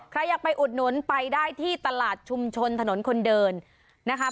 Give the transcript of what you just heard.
ใครอยากไปอุดหนุนไปได้ที่ตลาดชุมชนถนนคนเดินนะคะ